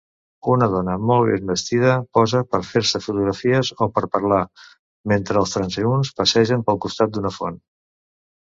Una dona molt ben vestida posa per fer-se fotografies o per parlar, mentre els transeünts passegen pel costat d'una font.